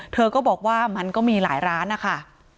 เธอก็บอกว่ามันก็มีหลายร้านนะคะ